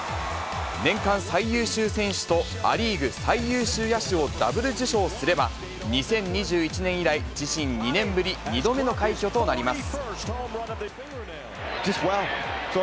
年間最優秀選手とア・リーグ最優秀野手をＷ受賞すれば、２０２１年以来、自身２年ぶり２度目の快挙となります。